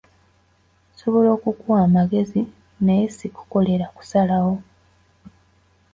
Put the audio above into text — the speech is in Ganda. Nsobola okukuwa amagezi naye si kukolera kusalawo.